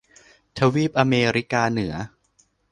ทวีปอเมริกาเหนือ